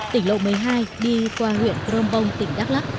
tỉnh lộ một mươi hai đi qua huyện crôm vông tỉnh đắk lắk